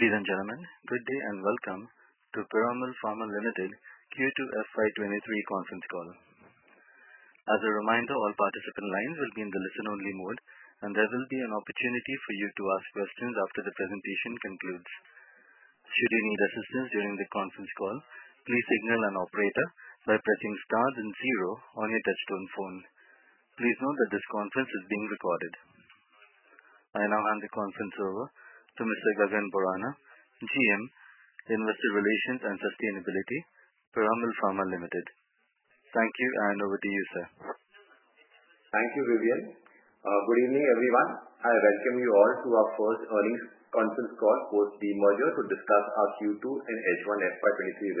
Ladies and gentlemen, good day and welcome to Piramal Pharma Limited Q2 FY 2023 conference call. As a reminder, all participant lines will be in the listen-only mode, and there will be an opportunity for you to ask questions after the presentation concludes. Should you need assistance during the conference call, please signal an operator by pressing star and zero on your touch-tone phone. Please note that this conference is being recorded. I now hand the conference over to Mr. Gagan Borana, GM, Investor Relations and Sustainability, Piramal Pharma Limited. Thank you, and over to you, sir. Thank you, Vivian. Good evening, everyone. I welcome you all to our first earnings conference call post demerger to discuss our Q2 and H1 FY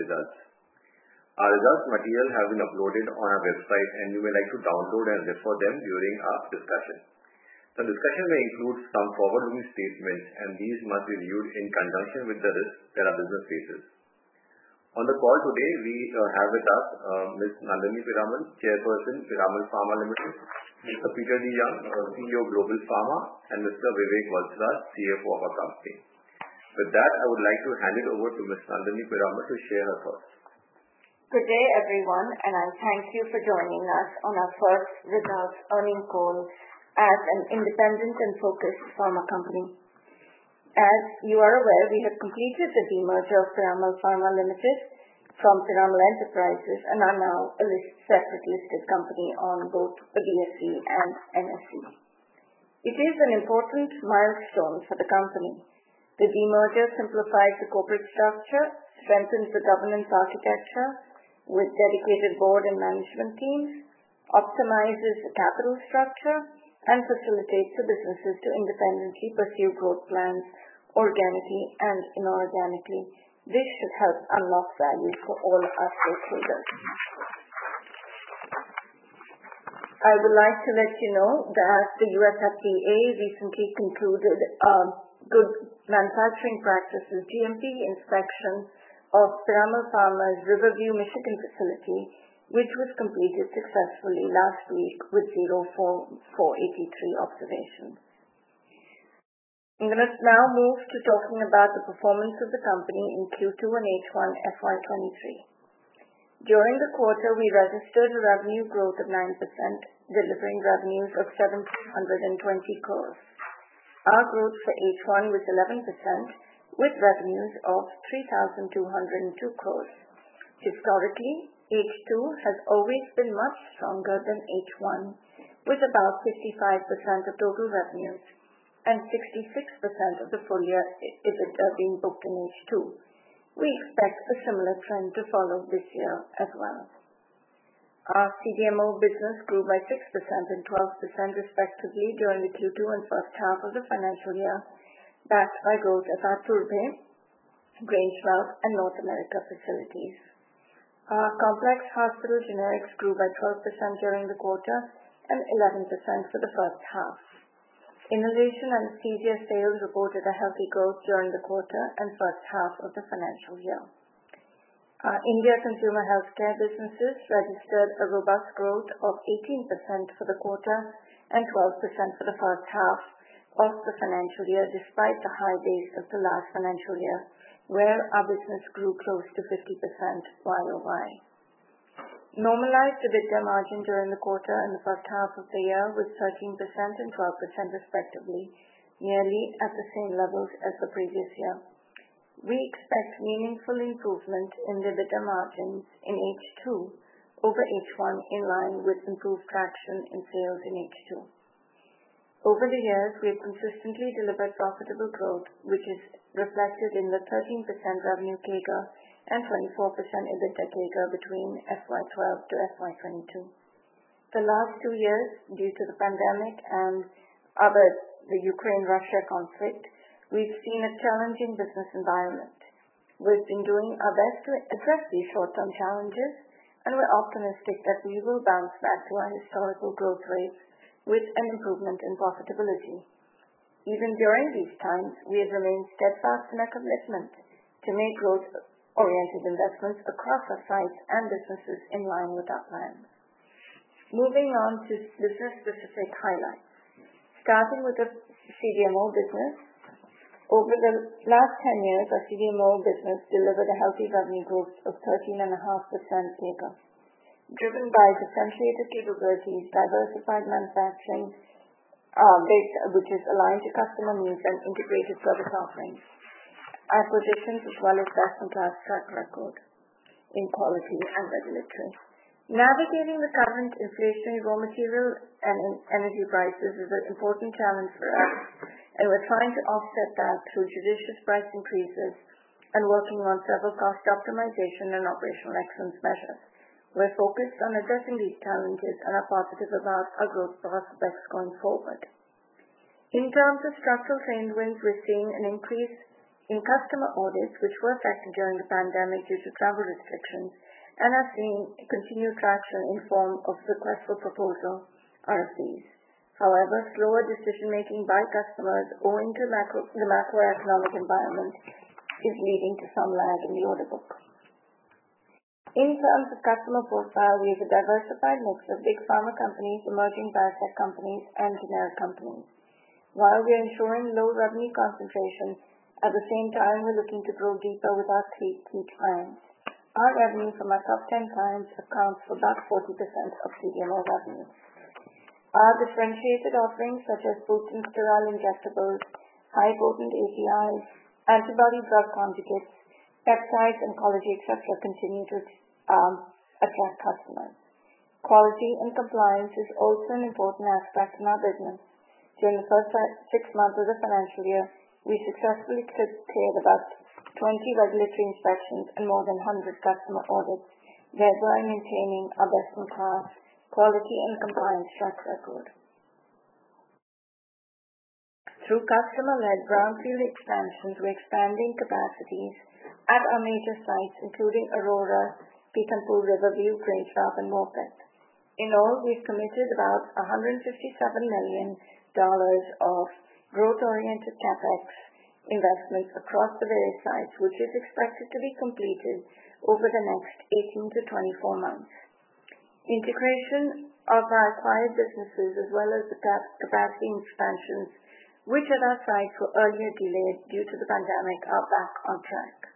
2023 results. Our results material have been uploaded on our website, and you may like to download and refer to them during our discussion. The discussion may include some forward-looking statements, and these must be viewed in conjunction with the risks that our business faces. On the call today, we have with us Ms. Nandini Piramal, Chairperson, Piramal Pharma Limited; Mr. Peter DeYoung, CEO of Global Pharma; and Mr. Vivek Valsaraj, CFO of our company. With that, I would like to hand it over to Ms. Nandini Piramal to share her thoughts. Good day, everyone, and thank you for joining us on our first results earnings call as an independent and focused pharma company. As you are aware, we have completed the demerger of Piramal Pharma Limited from Piramal Enterprises and are now a separate listed company on both BSE and NSE. It is an important milestone for the company. The demerger simplifies the corporate structure, strengthens the governance architecture with dedicated board and management teams, optimizes the capital structure, and facilitates the businesses to independently pursue growth plans organically and inorganically. This should help unlock value for all our stakeholders. I would like to let you know that the U.S. FDA recently concluded good manufacturing practices, GMP inspection of Piramal Pharma's Riverview, Michigan facility, which was completed successfully last week with zero 483 observations. I'm going to now move to talking about the performance of the company in Q2 and H1 FY 2023. During the quarter, we registered revenue growth of 9%, delivering revenues of 7,220 crores. Our growth for H1 was 11% with revenues of 3,202 crores. Historically, H2 has always been much stronger than H1, with about 55% of total revenues and 66% of the full-year EBITDA being booked in H2. We expect a similar trend to follow this year as well. Our CDMO business grew by 6% and 12% respectively during the Q2 and first half of the financial year, backed by growth at our Turbhe, Grangemouth, and North America facilities. Our complex hospital generics grew by 12% during the quarter and 11% for the first half. Innovation and CVS sales reported a healthy growth during the quarter and first half of the financial year. Our India consumer healthcare businesses registered a robust growth of 18% for the quarter and 12% for the first half of the financial year, despite the high base of the last financial year, where our business grew close to 50% Y-o-Y. Normalized EBITDA margin during the quarter and the first half of the year was 13% and 12% respectively, nearly at the same levels as the previous year. We expect meaningful improvement in EBITDA margins in H2 over H1, in line with improved traction in sales in H2. Over the years, we have consistently delivered profitable growth, which is reflected in the 13% revenue CAGR and 24% EBITDA CAGR between FY 2012 to FY 2022. The last 2 years, due to the pandemic and others, the Ukraine-Russia conflict, we've seen a challenging business environment. We've been doing our best to address these short-term challenges, and we're optimistic that we will bounce back to our historical growth rates with an improvement in profitability. Even during these times, we have remained steadfast in our commitment to make growth-oriented investments across our sites and businesses in line with our plan. Moving on to business-specific highlights. Starting with the CDMO business. Over the last 10 years, our CDMO business delivered a healthy revenue growth of 13.5% CAGR, driven by differentiated capabilities, diversified manufacturing base, which is aligned to customer needs and integrated service offerings, acquisitions, as well as best-in-class track record in quality and regulatory. Navigating the current inflationary raw material and energy prices is an important challenge for us, and we're trying to offset that through judicious price increases and working on several cost optimization and operational excellence measures. We're focused on addressing these challenges and are positive about our growth prospects going forward. In terms of structural headwinds, we're seeing an increase in customer audits, which were affected during the pandemic due to travel restrictions and are seeing continued traction in form of request for proposal RFPs. Slower decision-making by customers owing to the macroeconomic environment is leading to some lag in the order book. In terms of customer profile, we have a diversified mix of big pharma companies, emerging biotech companies, and generic companies. We are ensuring low revenue concentration, at the same time, we're looking to grow deeper with our key clients. Our revenue from our top 10 clients accounts for about 40% of CDMO revenue. Our differentiated offerings, such as potent sterile injectables, high-potent APIs, antibody drug conjugates, peptides, oncology, et cetera, continue to attract customers. Quality and compliance is also an important aspect in our business. During the first 6 months of the financial year, we successfully cleared about 20 regulatory inspections and more than 100 customer audits, thereby maintaining our best-in-class quality and compliance track record. Through customer-led brownfield expansions, we're expanding capacities at our major sites, including Aurora, Beacon Pool, Riverview, Grangemouth, and Morpeth. In all, we've committed about $157 million of growth-oriented CapEx investments across the various sites, which is expected to be completed over the next 18-24 months. Integration of our acquired businesses, as well as the capacity expansions, which at our sites were earlier delayed due to the pandemic, are back on track.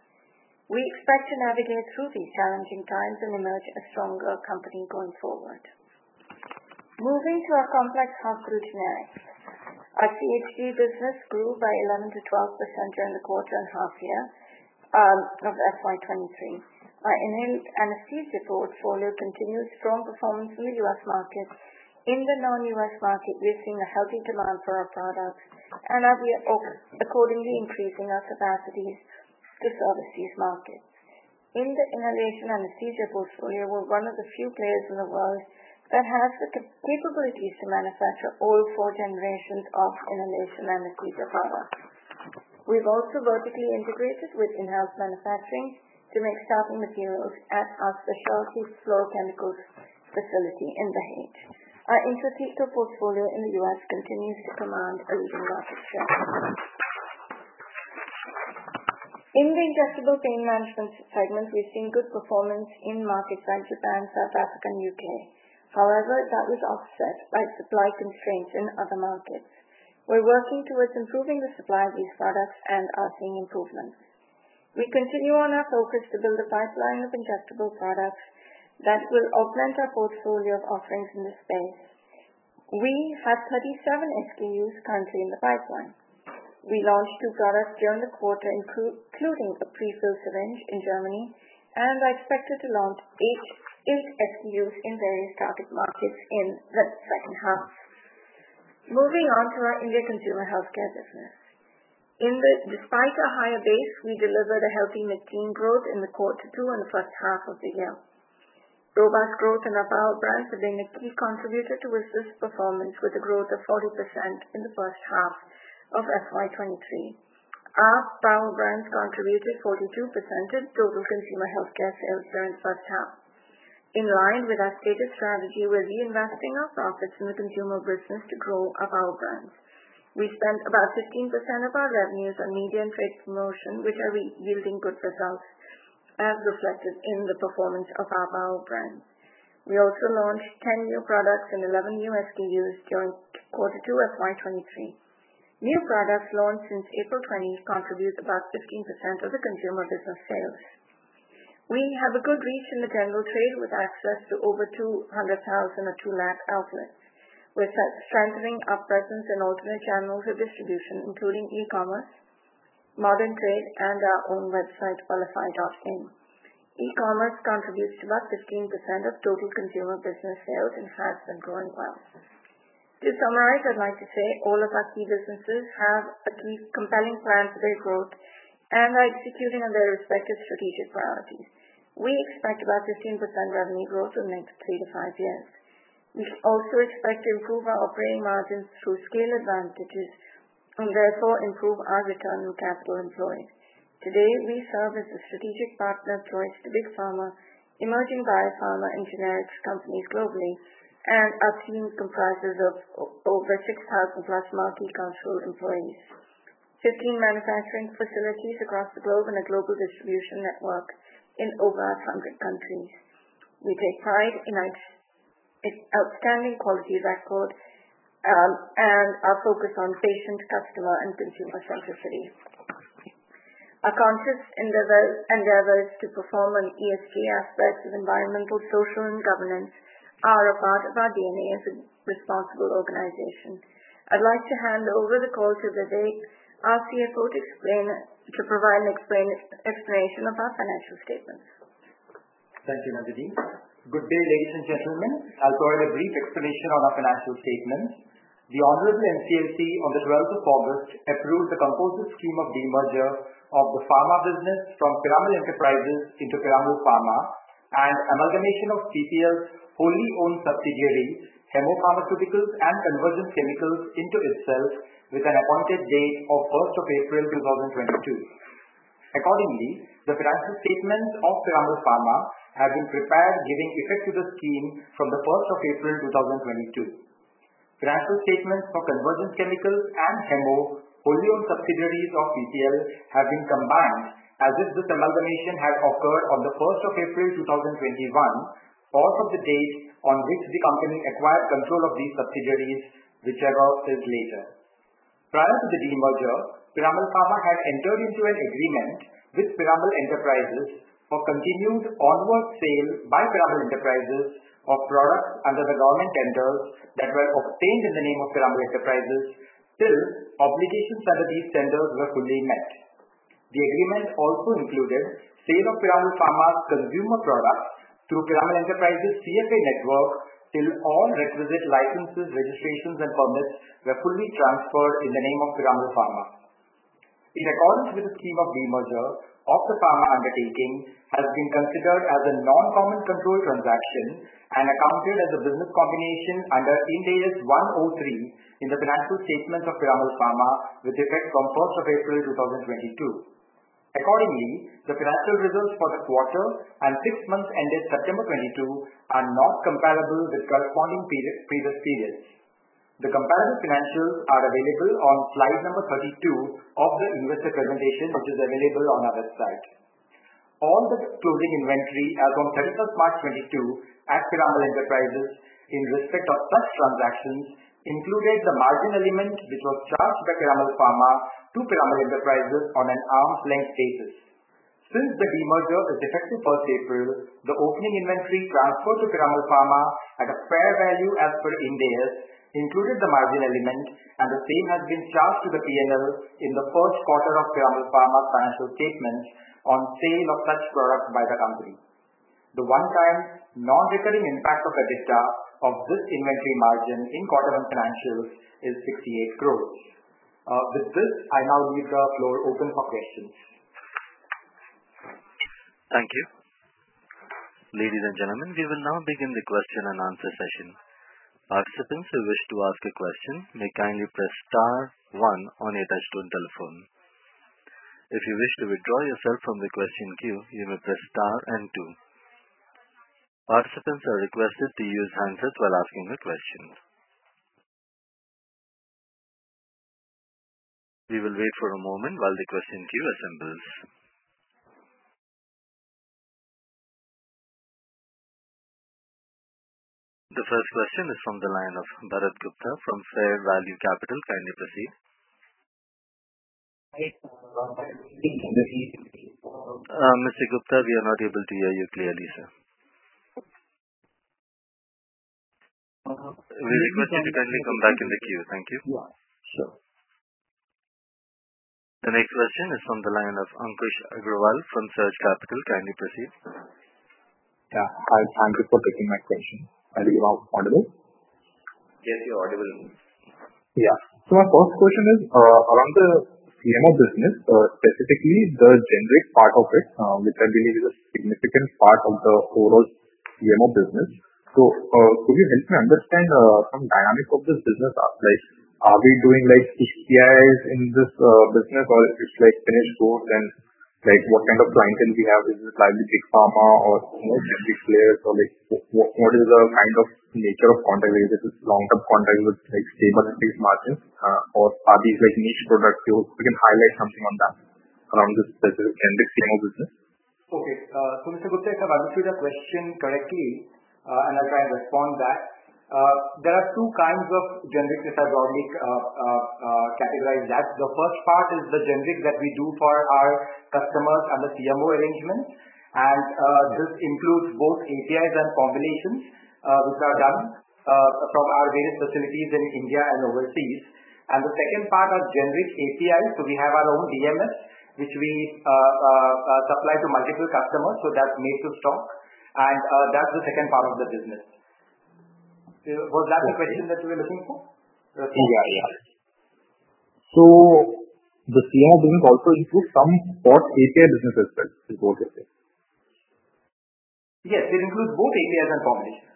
We expect to navigate through these challenging times and emerge a stronger company going forward. Moving to our Complex Health group, generics. Our CHG business grew by 11% to 12% during the quarter and half year of FY 2023. Our anesthesia portfolio continues strong performance in the U.S. market. In the non-U.S. market, we're seeing a healthy demand for our products and are accordingly increasing our capacities to service these markets. In the inhalation anesthesia portfolio, we're one of the few players in the world that has the capabilities to manufacture all four generations of inhalation anesthesia products. We've also vertically integrated with in-house manufacturing to make starting materials at our specialty fluorochemicals facility in Dahej. Our intrathecal portfolio in the U.S. continues to command a leading market share. In the injectable pain management segment, we've seen good performance in markets like Japan, South Africa, and U.K. That was offset by supply constraints in other markets. We're working towards improving the supply of these products and are seeing improvements. We continue on our focus to build a pipeline of injectable products that will augment our portfolio of offerings in this space. We have 37 SKUs currently in the pipeline. We launched two products during the quarter, including a pre-filled syringe in Germany, and are expected to launch eight SKUs in various target markets in the second half. Moving on to our India consumer healthcare business. Despite a higher base, we delivered a healthy mid-teen growth in the quarter two and the first half of the year. Robust growth in our value brands have been a key contributor towards this performance, with a growth of 40% in the first half of FY 2023. Our value brands contributed 42% of total consumer healthcare sales during the first half. In line with our stated strategy, we're reinvesting our profits in the consumer business to grow our value brands. We spent about 15% of our revenues on media and trade promotion, which are yielding good results, as reflected in the performance of our value brands. We also launched 10 new products and 11 new SKUs during quarter two FY 2023. New products launched since April 20th contribute about 15% of the consumer business sales. We have a good reach in the general trade, with access to over 200,000 or two lac outlets. We're strengthening our presence in alternate channels of distribution, including e-commerce, modern trade, and our own website, wellify.in. E-commerce contributes to about 15% of total consumer business sales and has been growing well. To summarize, I'd like to say all of our key businesses have a compelling plan for their growth and are executing on their respective strategic priorities. We expect about 15% revenue growth over the next three to five years. We also expect to improve our operating margins through scale advantages and therefore improve our return on capital employed. Today, we serve as a strategic partner choice to big pharma, emerging biopharma, and generics companies globally, and our team comprises of over 6,000-plus multicultural employees, 15 manufacturing facilities across the globe, and a global distribution network in over 100 countries. We take pride in our outstanding quality record, and our focus on patient, customer, and consumer centricity. Our conscious endeavors to perform on ESG aspects of environmental, social, and governance are a part of our DNA as a responsible organization. I'd like to hand over the call to Vivek, our CFO, to provide an explanation of our financial statements. Thank you, Nandini. Good day, ladies and gentlemen. I'll provide a brief explanation on our financial statements. The Honorable NCLT on the 12th of August approved a composite scheme of demerger of the pharma business from Piramal Enterprises into Piramal Pharma, and amalgamation of PCL's wholly owned subsidiary, Hemmo Pharmaceuticals and Convergence Chemicals into itself with an appointed date of 1st of April 2022. Accordingly, the financial statements of Piramal Pharma have been prepared giving effect to the scheme from the 1st of April 2022. Financial statements for Convergence Chemicals and Hemmo, wholly owned subsidiaries of PCL, have been combined as if this amalgamation had occurred on the 1st of April 2021 or from the date on which the company acquired control of these subsidiaries, which I will say later. Prior to the demerger, Piramal Pharma had entered into an agreement with Piramal Enterprises for continued onward sale by Piramal Enterprises of products under the government tenders that were obtained in the name of Piramal Enterprises till obligations under these tenders were fully met. The agreement also included sale of Piramal Pharma's consumer products through Piramal Enterprises CFA network till all requisite licenses, registrations and permits were fully transferred in the name of Piramal Pharma. In accordance with the scheme of demerger of the pharma undertaking, has been considered as a non-common control transaction and accounted as a business combination under Ind AS 103 in the financial statements of Piramal Pharma with effect from 1st of April 2022. Accordingly, the financial results for first quarter and six months ended September 2022 are not comparable with corresponding previous periods. The comparative financials are available on slide number 32 of the investor presentation, which is available on our website. All this closing inventory as on 31st March 2022 at Piramal Enterprises in respect of such transactions included the margin element, which was charged by Piramal Pharma to Piramal Enterprises on an arm's length basis. Since the demerger is effective 1st April, the opening inventory transferred to Piramal Pharma at a fair value as per Ind AS included the margin element, and the same has been charged to the P&L in the first quarter of Piramal Pharma financial statements on sale of such products by the company. The one time non-recurring impact of this inventory margin in quarter one financials is 68 crores. With this, I now leave the floor open for questions. Thank you. Ladies and gentlemen, we will now begin the question and answer session. Participants who wish to ask a question may kindly press star one on your touchtone telephone. If you wish to withdraw yourself from the question queue, you may press star and two. Participants are requested to use answers while asking a question. We will wait for a moment while the question queue assembles. The first question is from the line of Bharat Gupta from Fairvalue Capital. Kindly proceed. Mr. Gupta, we are not able to hear you clearly, sir. We request you to kindly come back in the queue. Thank you. Yeah. Sure. The next question is from the line of Ankush Agrawal from Surge Capital. Kindly proceed. Yeah. Hi. Thank you for taking my question. Are you audible? Yes, we audible. My first question is around the CDMO business, specifically the generic part of it, which I believe is a significant part of the overall CDMO business. Could you help me understand some dynamic of this business? Are we doing APIs in this business or it is finished goods and what kind of clientele we have? Is this likely big pharma or generic players or what is the kind of nature of contract? Is it long-term contract with stable and fixed margins or are these niche products? If you can highlight something on that around this specific generic CDMO business. Mr. Gupta, if I have understood the question correctly and I will try and respond that. There are two kinds of generics as broadly categorized as. The first part is the generic that we do for our customers under CDMO arrangements, and this includes both APIs and formulations, which are done from our various facilities in India and overseas. The second part are generic APIs. We have our own DMFs, which we supply to multiple customers, that is made to stock. That is the second part of the business. Was that the question that you were looking for? The CDMO business also includes some spot API business as well, is what you are saying? Yes, it includes both APIs and formulations.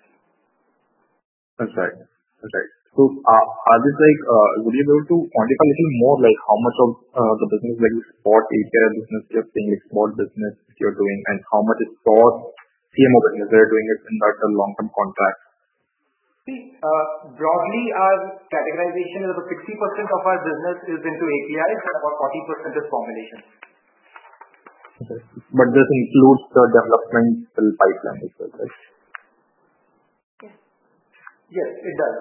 Okay. Would you be able to quantify little more, like how much of the business like spot API business you're saying it's small business you're doing and how much is spot CDMO business you're doing is in like a long-term contract? Broadly, our categorization is about 60% of our business is into APIs and about 40% is formulation. Okay. This includes the developmental pipeline as well, right? Yes, it does.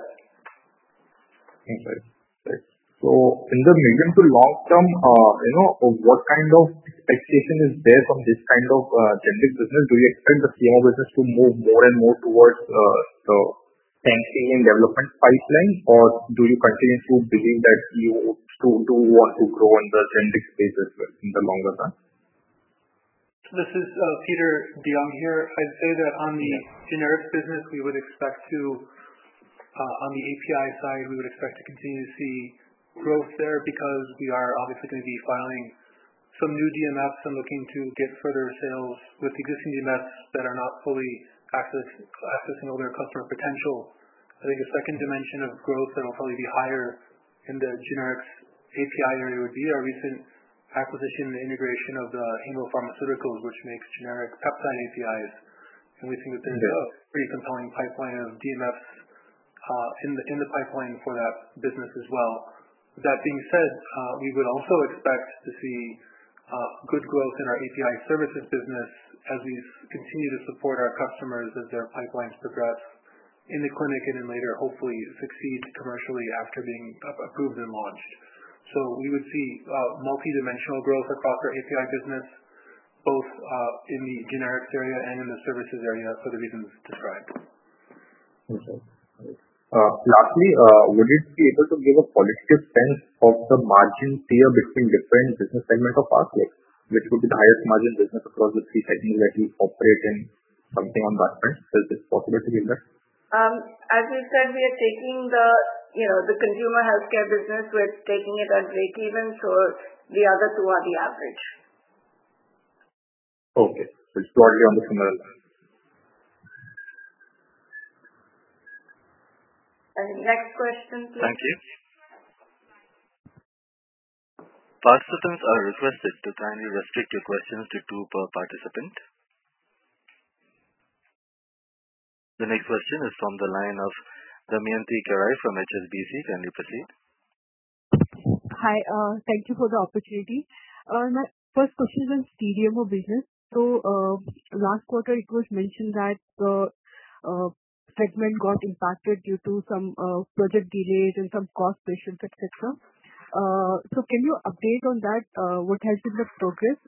Okay. In the medium to long term, what kind of expectation is there from this kind of generic business? Do you expect the CDMO business to move more and more towards the tanking in development pipeline, or do you continue to believe that you do want to grow in the generic space as well in the longer term? This is Peter DeYoung here. I'd say that on the generic business, we would expect on the API side, we would expect to continue to see growth there because we are obviously going to be filing some new DMFs and looking to get further sales with existing DMFs that are not fully accessing all their customer potential. I think a second dimension of growth that will probably be higher in the generics API area would be our recent acquisition and integration of Hemmo Pharmaceuticals, which makes generic peptide APIs. We think that there's a very compelling pipeline of DMFs in the pipeline for that business as well. That being said, we would also expect to see good growth in our API services business as we continue to support our customers as their pipelines progress in the clinic and then later hopefully succeed commercially after being approved and launched. We would see multidimensional growth across our API business, both in the generics area and in the services area for the reasons described. Okay. Lastly, would you be able to give a qualitative sense of the margin tier between different business segments of PPL, which would be the highest margin business across this segment that you operate in, something on that front. Is it possible to give that? As we said, we are taking the consumer healthcare business, we're taking it as breakeven, so the other two are the average. Okay. It's broadly on the same lines. Next question, please. Thank you. Participants are requested to kindly restrict your questions to two per participant. The next question is from the line of Damayanti Kerai from HSBC. Kindly proceed. Hi. Thank you for the opportunity. My first question is CDMO business. Last quarter it was mentioned that segment got impacted due to some project delays and some cost pressures, et cetera. Can you update on that, what has been the progress?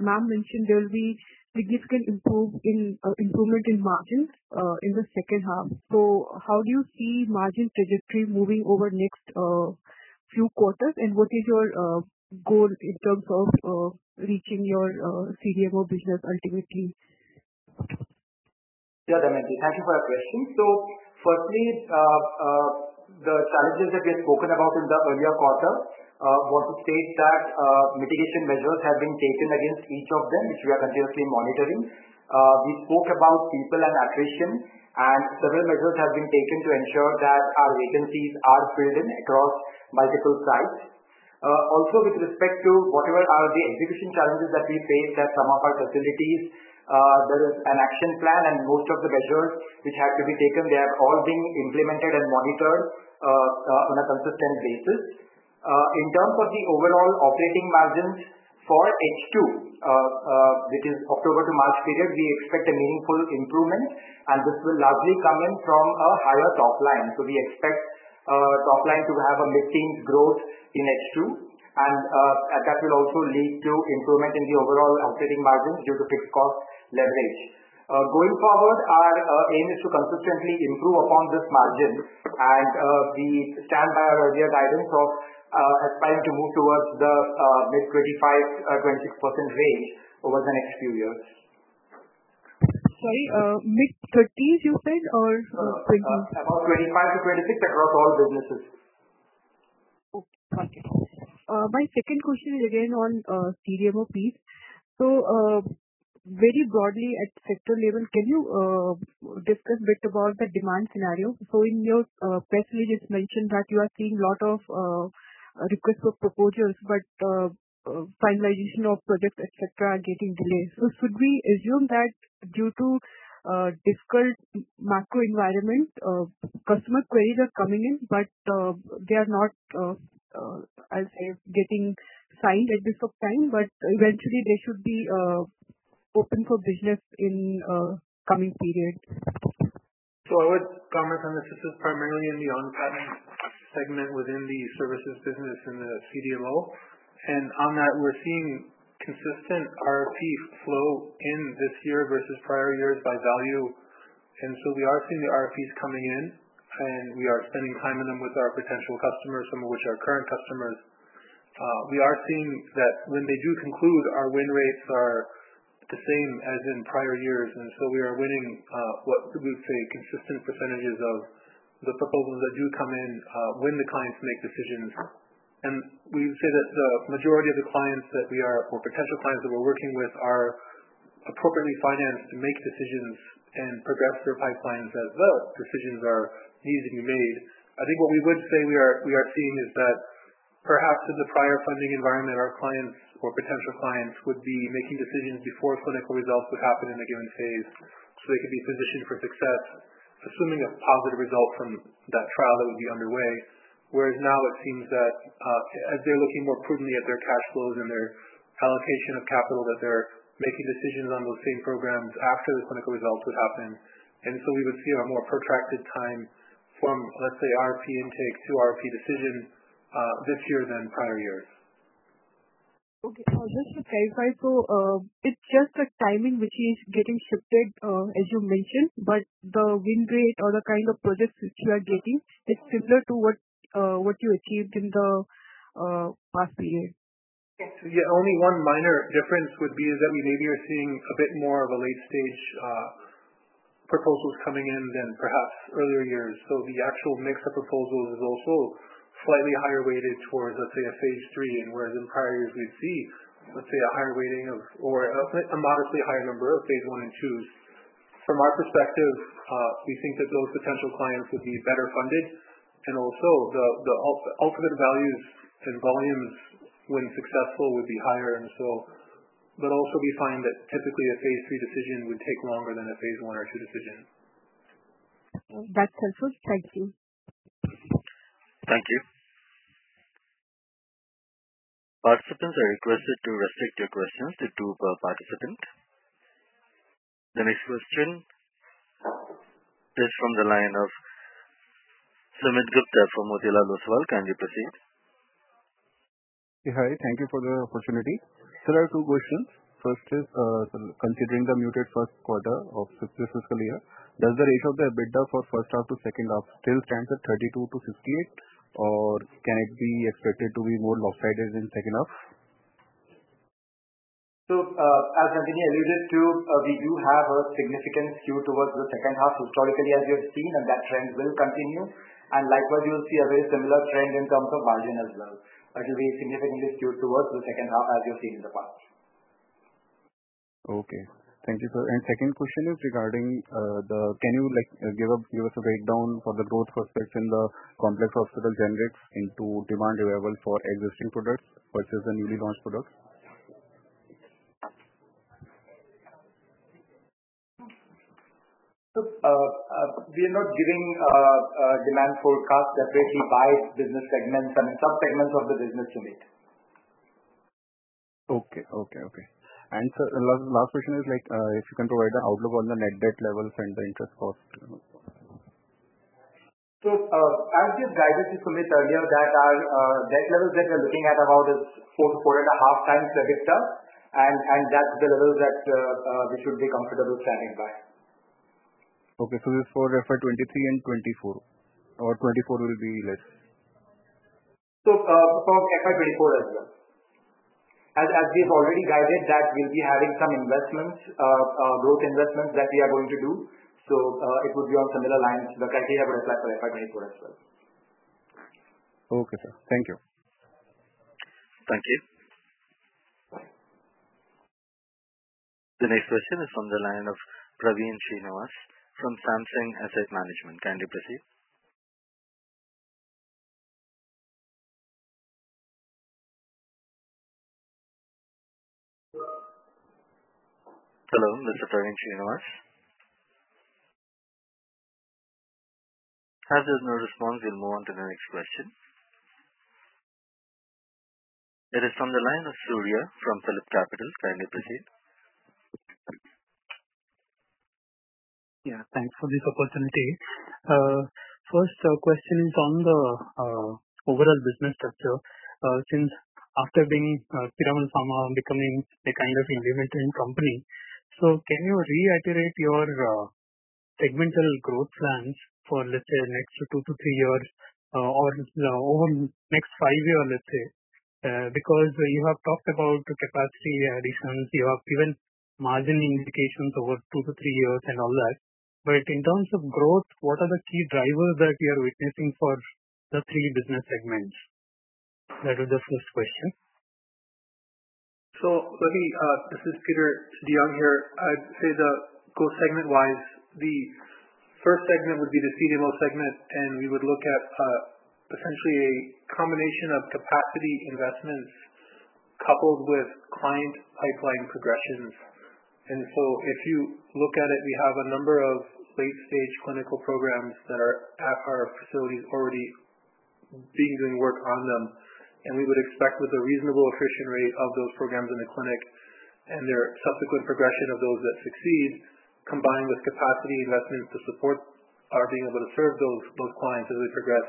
Ma'am mentioned there will be significant improvement in margin in the second half. How do you see margin trajectory moving over next few quarters and what is your goal in terms of reaching your CDMO business ultimately? Yeah, Damayanti. Thank you for your question. Firstly, the challenges that we had spoken about in the earlier quarter, want to state that mitigation measures have been taken against each of them, which we are continuously monitoring. We spoke about people and attrition. Several measures have been taken to ensure that our vacancies are filled in across multiple sites. Also with respect to whatever are the execution challenges that we face at some of our facilities, there is an action plan. Most of the measures which had to be taken, they are all being implemented and monitored on a consistent basis. In terms of the overall operating margins for H2, which is October to March period, we expect a meaningful improvement. This will largely come in from a higher top line. We expect top line to have a mid-teens growth in H2. That will also lead to improvement in the overall operating margins due to fixed cost leverage. Going forward, our aim is to consistently improve upon this margin. We stand by our earlier guidance of aspiring to move towards the mid 25%, 26% range over the next few years. Sorry, mid-30s you said or 20s? About 25-26 across all businesses. Okay. My second question is again on CDMO piece. Very broadly at sector level, can you discuss a bit about the demand scenario? In your press release mentioned that you are seeing lot of request for proposals, but finalization of projects, et cetera, are getting delayed. Should we assume that due to difficult macro environment, customer queries are coming in but they are not getting signed at this point time, but eventually they should be open for business in coming period? I would comment on this. This is primarily in the on-patent segment within the services business in the CDMO. On that we're seeing consistent RFP flow in this year versus prior years by value. We are seeing the RFPs coming in and we are spending time in them with our potential customers, some of which are current customers. We are seeing that when they do conclude, our win rates are the same as in prior years, we are winning, what we would say, consistent percentages of the proposals that do come in when the clients make decisions. We would say that the majority of the clients or potential clients that we're working with are appropriately financed to make decisions and progress their pipelines as the decisions are needed to be made. I think what we would say we are seeing is that perhaps in the prior funding environment, our clients or potential clients would be making decisions before clinical results would happen in a given phase, so they could be positioned for success, assuming a positive result from that trial that would be underway. Whereas now it seems that as they're looking more prudently at their cash flows and their allocation of capital, that they're making decisions on those same programs after the clinical results would happen. We would see a more protracted time from, let's say, RFP intake to RFP decision this year than prior years. Okay. Just to clarify, it's just the timing which is getting shifted, as you mentioned, but the win rate or the kind of projects which you are getting is similar to what you achieved in the past few years. Yeah. Only one minor difference would be is that we maybe are seeing a bit more of a late-stage proposals coming in than perhaps earlier years. The actual mix of proposals is also slightly higher weighted towards, let's say, a phase III, whereas in prior years we'd see, let's say, a higher weighting of, or a moderately higher number of phase I and IIs. From our perspective, we think that those potential clients would be better funded and also the ultimate values and volumes When successful would be higher. Also we find that typically a phase III decision would take longer than a phase I or II decision. That's helpful. Thank you. Thank you. Participants are requested to restrict their questions to two per participant. The next question is from the line of Sumit Gupta from Motilal Oswal. Kindly proceed. Hi, thank you for the opportunity. Sir, I have two questions. First is, considering the muted first quarter of fiscal year, does the ratio of the EBITDA for first half to second half still stands at 32 to 68, or can it be expected to be more lopsided in second half? as Nandini alluded to, we do have a significant skew towards the second half historically as we have seen, and that trend will continue. likewise, you'll see a very similar trend in terms of margin as well. It will be significantly skewed towards the second half as you've seen in the past. Okay. Thank you, sir. second question is regarding, can you give us a breakdown for the growth prospects in the Complex Hospital Generics into demand available for existing products versus the newly launched products? We are not giving demand forecast separately by business segments and sub-segments of the business unit. Okay. Sir, last question is, if you can provide the outlook on the net debt levels and the interest cost? As we have guided to Sumit earlier that our debt levels that we are looking at about is 4 to 4.5 times EBITDA, and that is the level that we should be comfortable standing by. Okay. This is for FY 2023 and 2024. 2024 will be less? For FY 2024 as well. As we have already guided that we will be having some growth investments that we are going to do. It would be on similar lines, the criteria we applied for FY 2024 as well. Okay, sir. Thank you. Thank you. The next question is from the line of Praveen Srinivas from Samsung Asset Management. Kindly proceed. Hello, Mr. Praveen Srinivas? As there is no response, we will move on to the next question. It is from the line of Surya from PhillipCapital. Kindly proceed. Yeah, thanks for this opportunity. First question is on the overall business structure. Since after being Piramal Pharma becoming a kind of innovative company, can you reiterate your segmental growth plans for, let's say, next 2 to 3 years or next 5 year, let's say? Because you have talked about capacity additions, you have given margin indications over 2 to 3 years and all that. But in terms of growth, what are the key drivers that you are witnessing for the three business segments? That is the first question. This is Peter DeYoung here. I would say the growth segment-wise, the first segment would be the CDMO segment, and we would look at essentially a combination of capacity investments coupled with client pipeline progressions. If you look at it, we have a number of late-stage clinical programs that are at our facilities already being, doing work on them. We would expect with a reasonable attrition rate of those programs in the clinic and their subsequent progression of those that succeed, combined with capacity investments to support our being able to serve those clients as we progress,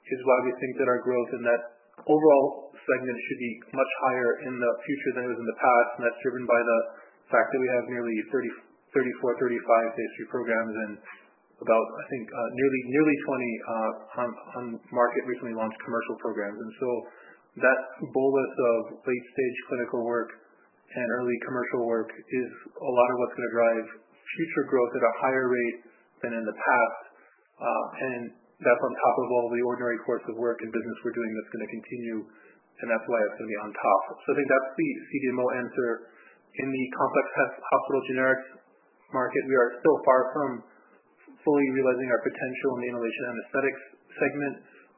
is why we think that our growth in that overall segment should be much higher in the future than it was in the past, and that is driven by the fact that we have nearly 34, 35 phase III programs and about, I think, nearly 20 on-market, recently launched commercial programs. That bulwark of late-stage clinical work and early commercial work is a lot of what's going to drive future growth at a higher rate than in the past. That's on top of all the ordinary course of work and business we're doing that's going to continue, and that's why it's going to be on top. I think that's the CDMO answer. In the complex hospital generics market, we are still far from fully realizing our potential in the inhalation anesthetics segment.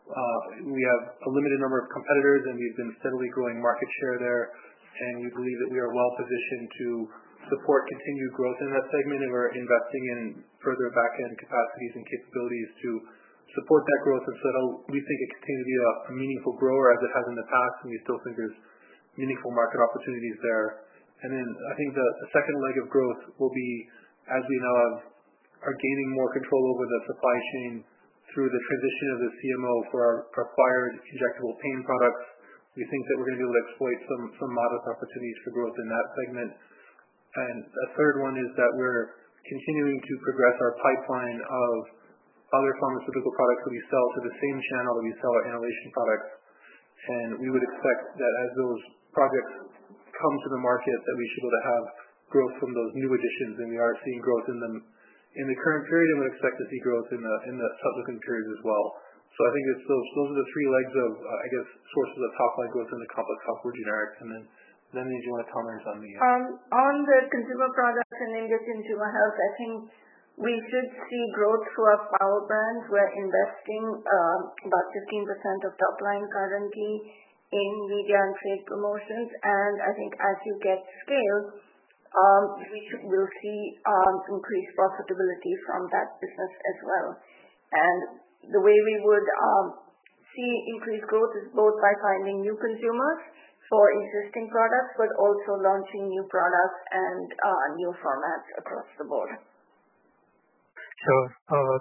We have a limited number of competitors, and we've been steadily growing market share there, and we believe that we are well-positioned to support continued growth in that segment, and we're investing in further back-end capacities and capabilities to support that growth. We think it continues to be a meaningful grower as it has in the past, and we still think there's meaningful market opportunities there. I think the second leg of growth will be as we now are gaining more control over the supply chain through the transition of the CDMO for our acquired injectable pain products. We think that we're going to be able to exploit some modest opportunities for growth in that segment. A third one is that we're continuing to progress our pipeline of other pharmaceutical products that we sell to the same channel that we sell our inhalation products. We would expect that as those projects come to the market, that we should have growth from those new additions, and we are seeing growth in them in the current period and would expect to see growth in the subsequent periods as well. I think those are the three legs of, I guess, sources of top-line growth in the complex hospital generic. Nandini, do you want to comment on the- On the consumer products, then getting to my health, I think we should see growth through our power brands. We're investing about 15% of top line currently in media and trade promotions, I think as you get scale We will see increased profitability from that business as well. The way we would see increased growth is both by finding new consumers for existing products, but also launching new products and new formats across the board. Sure.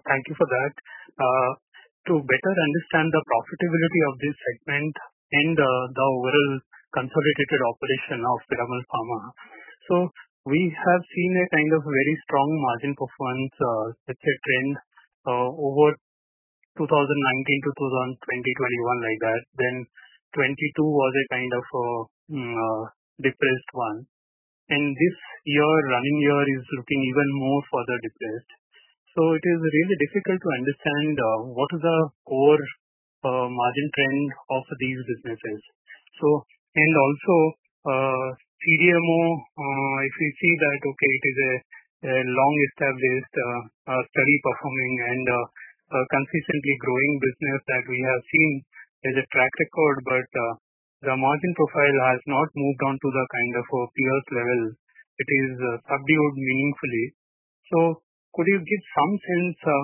Thank you for that. To better understand the profitability of this segment and the overall consolidated operation of Piramal Pharma. We have seen a very strong margin performance, let's say, trend over 2019 to 2020, 2021 like that. Then 2022 was a kind of a depressed one. This running year is looking even more further depressed. It is really difficult to understand what is the core margin trend of these businesses. Also, CDMO, if we see that, okay, it is a long established, steady performing and consistently growing business that we have seen. There's a track record, but the margin profile has not moved on to the kind of peers level. It is subdued meaningfully. Could you give some sense of,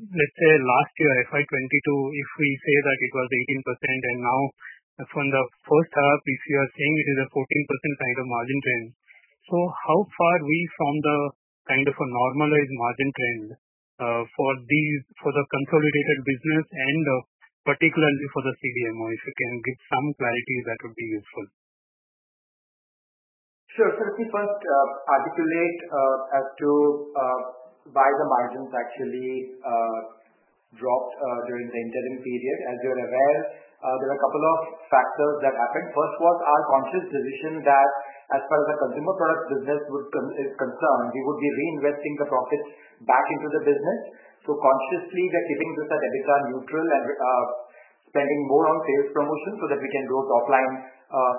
let's say, last year, FY 2022, if we say that it was 18% and now from the first half, if you are saying it is a 14% kind of margin trend. How far are we from the kind of a normalized margin trend for the consolidated business and particularly for the CDMO? If you can give some clarity, that would be useful. Sure. Let me first articulate as to why the margins actually dropped during the interim period. As you're aware, there are a couple of factors that happened. First was our conscious decision that as far as our consumer products business is concerned, we would be reinvesting the profits back into the business. Consciously, we are keeping this at EBITDA neutral and spending more on sales promotion so that we can grow the pipeline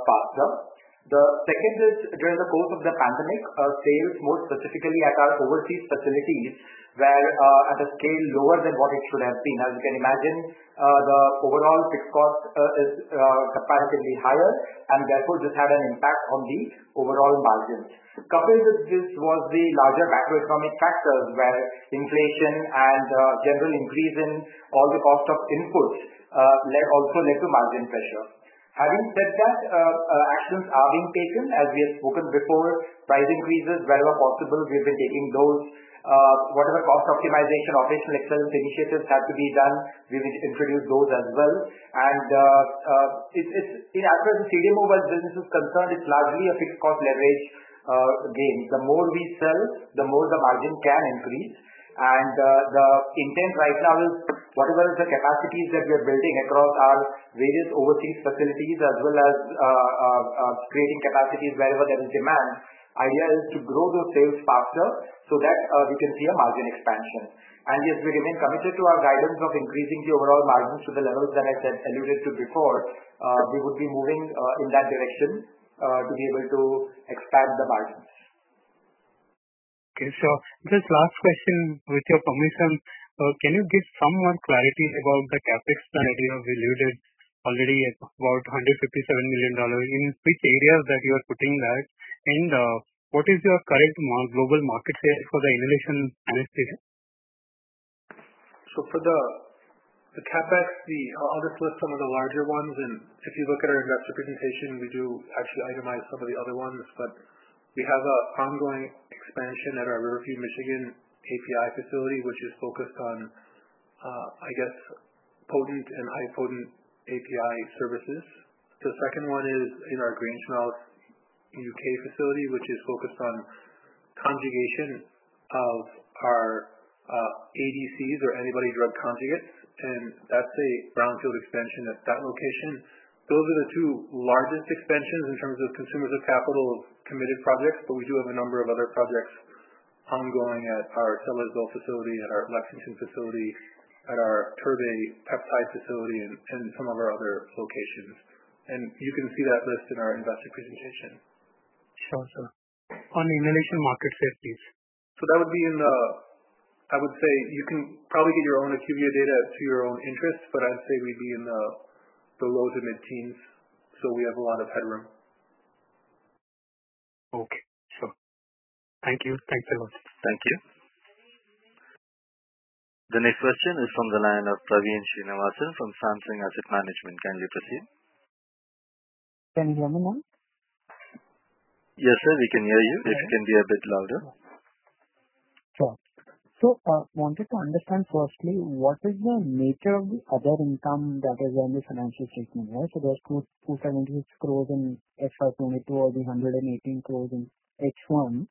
faster. The second is during the course of the pandemic, sales, more specifically at our overseas facilities, were at a scale lower than what it should have been. As you can imagine, the overall fixed cost is substantially higher and therefore this had an impact on the overall margins. Coupled with this was the larger macroeconomic factors where inflation and general increase in all the cost of inputs also led to margin pressure. Having said that, actions are being taken. As we have spoken before, price increases wherever possible, we have been taking those. Whatever cost optimization, operational excellence initiatives have to be done, we will introduce those as well. As far as the CDMO business is concerned, it's largely a fixed cost leverage game. The more we sell, the more the margin can increase. The intent right now is whatever is the capacities that we are building across our various overseas facilities as well as creating capacities wherever there is demand, idea is to grow those sales faster so that we can see a margin expansion. Yes, we remain committed to our guidance of increasing the overall margins to the levels that I alluded to before. We would be moving in that direction to be able to expand the margins. Okay. Just last question, with your permission, can you give some more clarity about the CapEx that you have alluded already at about $157 million. In which areas that you are putting that, and what is your current global market share for the inhalation anesthetic? For the CapEx, I'll just list some of the larger ones, if you look at our investor presentation, we do actually itemize some of the other ones. We have an ongoing expansion at our Riverview, Michigan API facility, which is focused on, I guess, potent and high potent API services. The second one is in our Grangemouth U.K. facility, which is focused on conjugation of our ADCs or Antibody-Drug Conjugates, and that's a brownfield expansion at that location. Those are the two largest expansions in terms of consumers of capital committed projects. We do have a number of other projects ongoing at our Sellersville facility, at our Lexington facility, at our Turbhe Peptide facility and some of our other locations. You can see that list in our investor presentation. Sure. On the inhalation market share, please. That would be. I would say you can probably get your own IQVIA data to your own interest, but I'd say maybe in the low to mid teens. We have a lot of headroom. Okay. Sure. Thank you. Thanks very much. Thank you. The next question is from the line of Praveen Srinivas from Samsung Asset Management. Can we proceed? Can you hear me now? Yes, sir, we can hear you. If you can be a bit louder. Sure. I wanted to understand firstly, what is the nature of the other income that is on the financial statement? There's 276 crores in FY 2022 or the 118 crores in H1.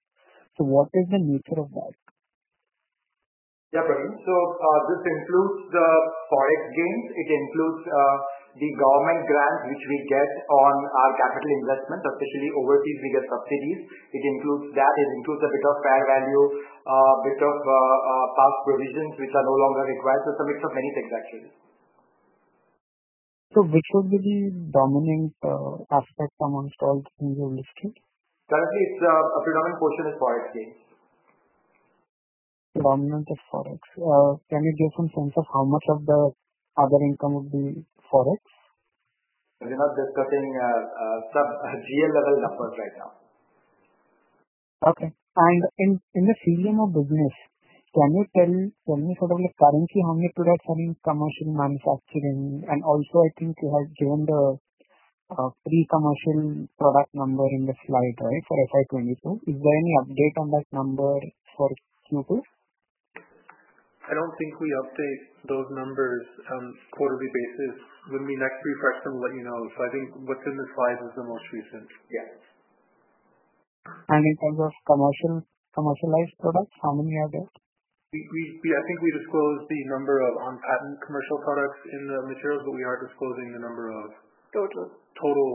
What is the nature of that? Yeah, Praveen. This includes the Forex gains. It includes the government grants which we get on our capital investments, especially overseas, we get subsidies. It includes that. It includes a bit of fair value, a bit of past provisions which are no longer required. It's a mix of many things, actually. which would be the dominant aspect amongst all things you have listed? Currently, a predominant portion is Forex gains. Dominant of Forex. Can you give some sense of how much of the other income would be Forex? We're not discussing some GL level numbers right now. Okay. In the CDMO business, can you tell me currently how many products are in commercial manufacturing? Also, I think you have given the pre-commercial product number in the slide, right, for FY 2022. Is there any update on that number for Q2? I don't think we update those numbers on a quarterly basis. When we next refresh them, we'll let you know. I think what's in the slides is the most recent. Yes. In terms of commercialized products, how many are there? I think we disclose the number of on-patent commercial products in the materials, but we aren't disclosing the number of total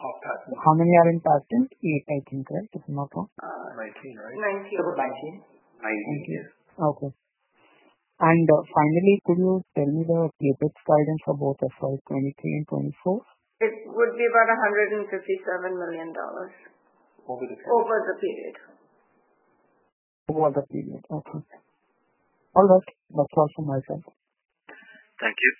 off-patent products. How many are in patent? Eight, I think, correct? If I'm not wrong. 19, right? Nineteen. Nineteen. Okay. finally, could you tell me the CapEx guidance for both FY 2023 and FY 2024? It would be about $157 million. Over the period. Over the period. Over the period. Okay. All right. That's all from my side. Thank you.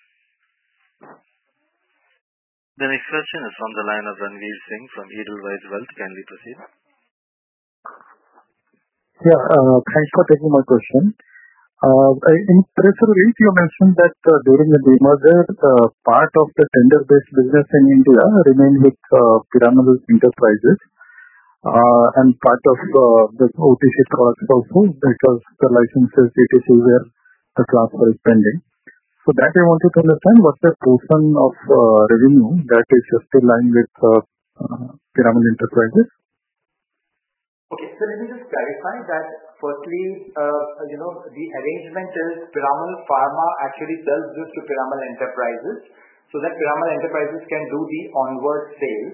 The next question is on the line of Ranvir Singh from Edelweiss Wealth. Can we proceed? Yeah. Thanks for taking my question. In press release, you mentioned that during the demerger, part of the tender-based business in India remained with Piramal Enterprises and part of the OTC products also because the licenses BT2 were the transfer is pending. that I want to understand, what's that portion of revenue that is just aligned with Piramal Enterprises? let me just clarify that firstly, the arrangement is Piramal Pharma actually sells this to Piramal Enterprises so that Piramal Enterprises can do the onward sale.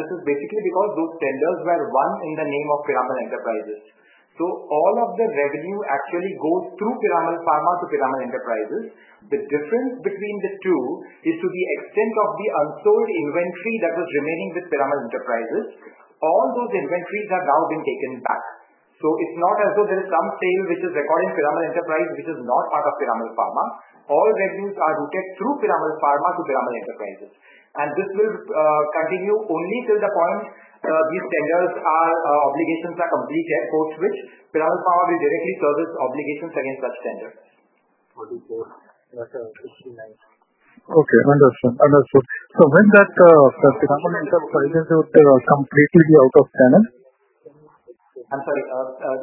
This is basically because those tenders were won in the name of Piramal Enterprises. all of the revenue actually goes through Piramal Pharma to Piramal Enterprises. The difference between the two is to the extent of the unsold inventory that was remaining with Piramal Enterprises. All those inventories have now been taken back. it's not as though there's some sale which is recording Piramal Enterprise, which is not part of Piramal Pharma. All revenues are routed through Piramal Pharma to Piramal Enterprises. this will continue only till the point these tenders obligations are complete, post which Piramal Pharma will directly service obligations against such tenders. understood. when that Piramal Enterprises will completely be out of channel? I'm sorry.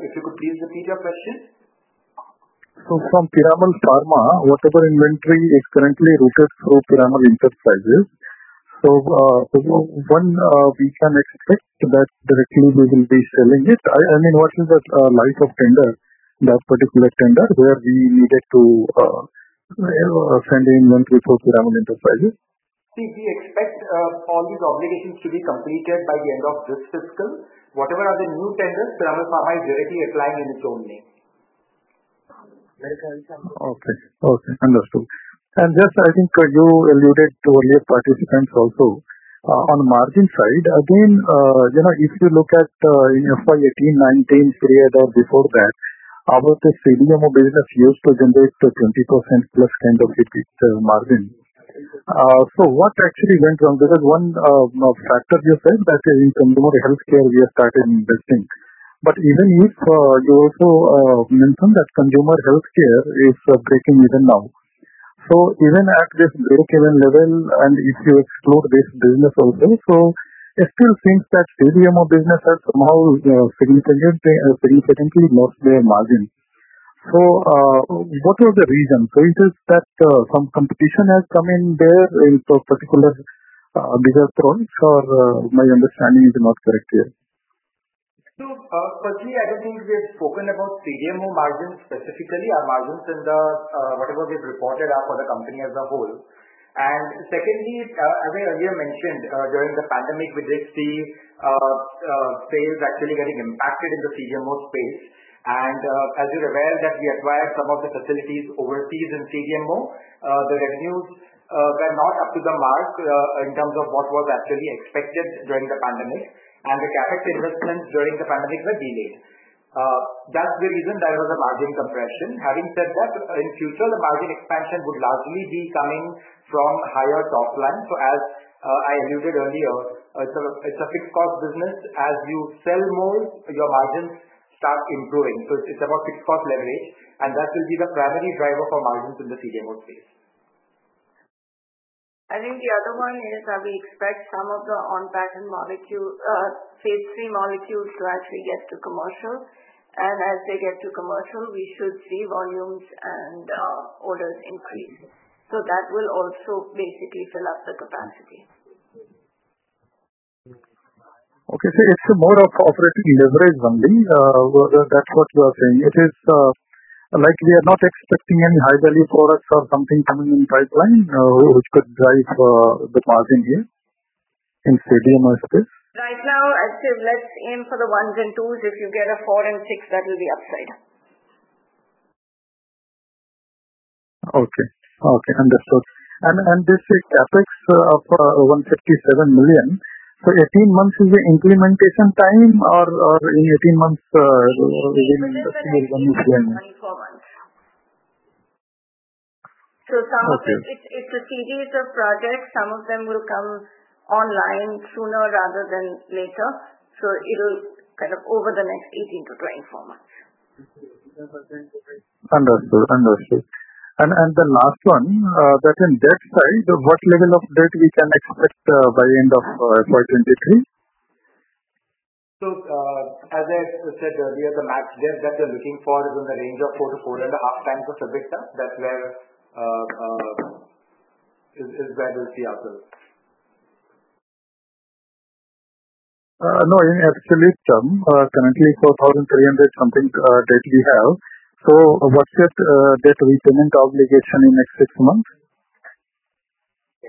If you could please repeat your question. from Piramal Pharma, whatever inventory is currently routed through Piramal Enterprises, so when we can expect that directly they will be selling it? I mean, what is the life of that particular tender where we needed to send inventory through Piramal Enterprises? See, we expect all these obligations to be completed by the end of this fiscal. Whatever are the new tenders, Piramal Pharma is directly applying in its own name. Okay. Understood. this I think you alluded to earlier participants also. On margin side, again, if you look at in FY 2018-19 period or before that, our CDMO business used to generate 20%-plus kind of EBITDA margin. what actually went wrong? There is one factor you said that in consumer healthcare we have started investing. you also mentioned that consumer healthcare is breaking even now. even at this equilibrium level and if you explore this business also, so it still seems that CDMO business has somehow significantly lost their margin. what was the reason? Is it that some competition has come in there in those particular geographies, or my understanding is not correct here? firstly, I don't think we have spoken about CDMO margins specifically. Whatever we've reported are for the company as a whole. secondly, as I earlier mentioned, during the pandemic we did see sales actually getting impacted in the CDMO space. as you're aware that we acquired some of the facilities overseas in CDMO. The revenues were not up to the mark in terms of what was actually expected during the pandemic, and the CapEx investments during the pandemic were delayed. That's the reason there was a margin compression. Having said that, in future, the margin expansion would largely be coming from higher top line. as I alluded earlier, it's a fixed cost business. As you sell more, your margins start improving. it's about fixed cost leverage, and that will be the primary driver for margins in the CDMO space. I think the other one is that we expect some of the on-patent phase III molecules to actually get to commercial. As they get to commercial, we should see volumes and orders increase. That will also basically fill up the capacity. It's more of operating leverage only. That's what you are saying. It is like we are not expecting any high-value products or something coming in pipeline which could drive the margin here in CDMO space. Right now, let's aim for the ones and twos. If you get a four and six, that will be upside. This CapEx of 157 million, so 18 months is an implementation time or in 18 months will become million? some of it's a series of projects. Some of them will come online sooner rather than later. it'll kind of over the next 18 to 24 months. Understood. the last one, within debt side, what level of debt we can expect by end of 2023? as I said earlier, the max debt that we're looking for is in the range of four to four and a half times the EBITDA. That's where we'll see ourselves. No, in absolute term, currently 4,300 something debt we have. what's that debt repayment obligation in next six months?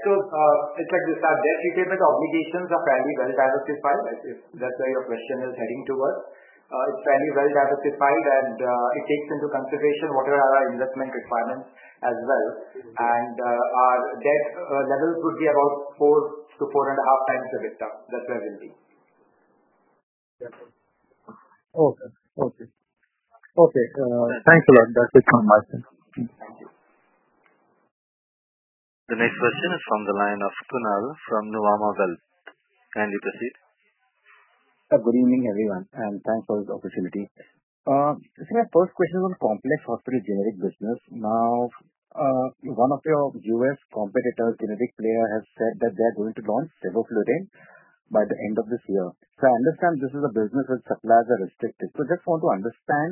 Our debt repayment obligations are fairly well diversified. If that's where your question is heading towards. It's fairly well diversified and it takes into consideration what are our investment requirements as well. Our debt level could be about four to four and a half times EBITDA. That's where it will be. Okay. Thanks a lot. That's it from my side. The next question is from the line of Kunal from Nuvama Wealth. Kindly proceed. Good evening, everyone, and thanks for this opportunity. Sir, my first question is on complex hospital generic business. Now, one of your U.S. competitor, generic player, has said that they're going to launch sevoflurane by the end of this year. I understand this is a business where supplies are restricted. Just want to understand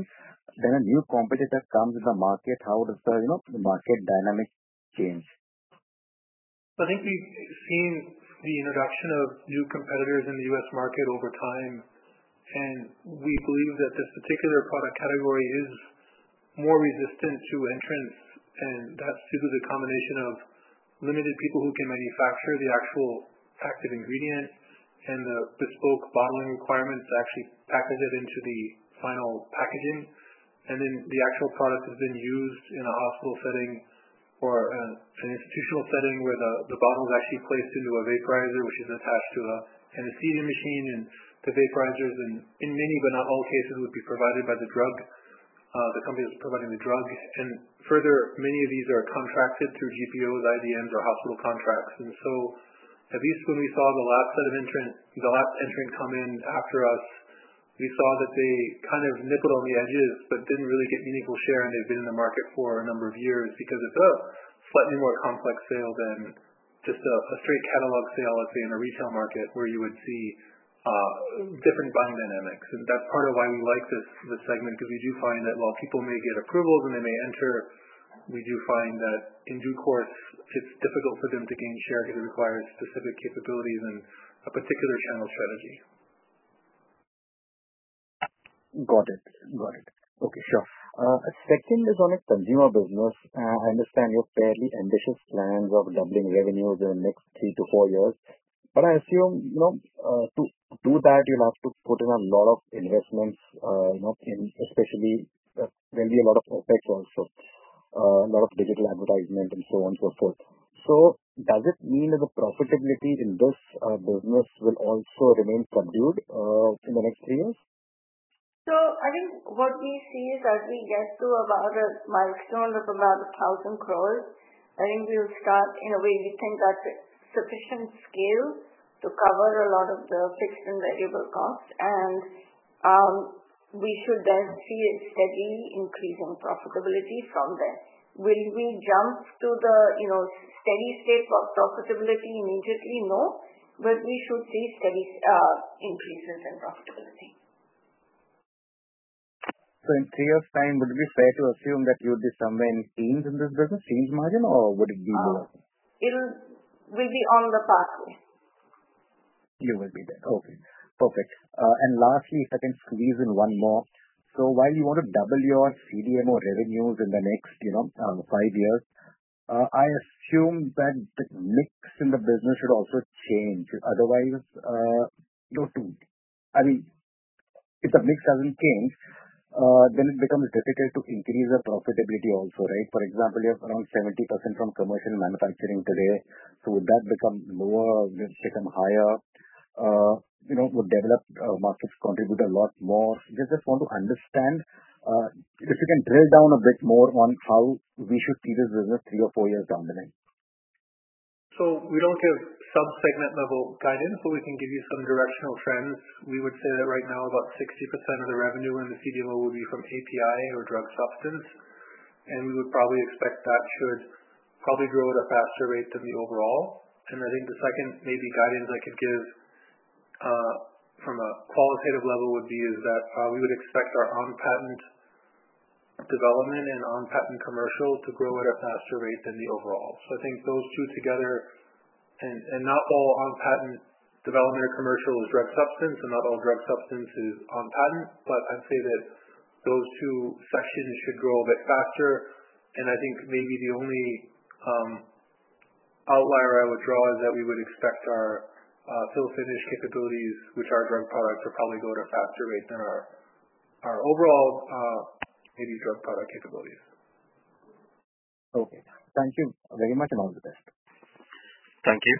when a new competitor comes in the market, how does the market dynamic change? I think we've seen the introduction of new competitors in the US market over time, and we believe that this particular product category is more resistant to entrants, and that's due to the combination of limited people who can manufacture the actual active ingredient and the bespoke bottling requirements to actually package it into the final packaging. And then the actual product is then used in a hospital setting or an institutional setting where the bottle is actually placed into a vaporizer, which is attached to an anesthesia machine and the vaporizers in many, but not all cases, would be provided by the company that's providing the drug. And further, many of these are contracted through GPOs, IDN or hospital contracts. At least when we saw the last entrant come in after us, we saw that they kind of nippled on the edges but didn't really get meaningful share and they've been in the market for a number of years because it's a slightly more complex sale than just a straight catalog sale, let's say, in a retail market where you would see different buying dynamics. And that's part of why we like this segment, because we do find that while people may get approvals and they may enter, we do find that in due course it's difficult for them to gain share because it requires specific capabilities and a particular channel strategy. Got it. Okay, sure. Second is on consumer business. I understand your fairly ambitious plans of doubling revenues in next three to four years, but I assume to do that you'll have to put in a lot of investments, especially there will be a lot of OPEX also, a lot of digital advertisement and so on, so forth. So does it mean that the profitability in this business will also remain subdued in the next three years? I think what we see is as we get to about a 1,000 crores, I think we'll start. In a way, we think that's a sufficient scale to cover a lot of the fixed and variable costs and we should then see a steady increase in profitability from there. Will we jump to the steady state profitability immediately? No. But we should see steady increases in profitability. In three years' time, would it be fair to assume that you'll be somewhere in teens in this business, teens margin, or would it be lower? We'll be on the pathway. You will be there. Okay, perfect. Lastly, if I can squeeze in one more. While you want to double your CDMO revenues in the next five years, I assume that the mix in the business should also change. Otherwise, I mean, if the mix doesn't change, then it becomes difficult to increase the profitability also, right? For example, you have around 70% from commercial manufacturing today, so would that become lower, will it become higher? Will developed markets contribute a lot more? I just want to understand if you can drill down a bit more on how we should see this business three or four years down the line. We don't give sub-segment level guidance, but we can give you some directional trends. We would say that right now about 60% of the revenue in the CDMO would be from API or drug substance, and we would probably expect that should probably grow at a faster rate than the overall. I think the second maybe guidance I could give from a qualitative level would be is that we would expect our on-patent development and on-patent commercial to grow at a faster rate than the overall. I think those two together and not all on-patent development or commercial is drug substance and not all drug substance is on patent, but I'd say that those two sections should grow a bit faster and I think maybe the only outlier I would draw is that we would expect our fill-finish capabilities, which are drug products, will probably go at a faster rate than our overall AD drug product capabilities. Okay. Thank you very much, and all the best. Thank you.